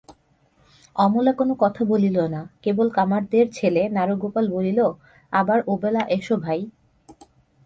অমলা কোনো কথা বলিল না, কেবল কামারদের ছেলে নাড়ুগোপাল বলিল, আবার ওবেলা এসো ভাই!